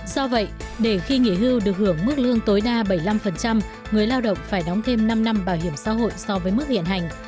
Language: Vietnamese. do vậy để khi nghỉ hưu được hưởng mức lương tối đa bảy mươi năm người lao động phải đóng thêm năm năm bảo hiểm xã hội so với mức hiện hành